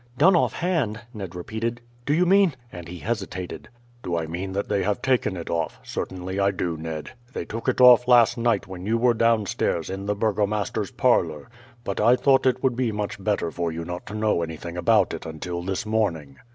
"Done offhand?" Ned repeated. "Do you mean" and he hesitated. "Do I mean that they have taken it off? Certainly I do, Ned. They took it off last night while you were downstairs in the burgomaster's parlour; but I thought it would be much better for you not to know anything about it until this morning.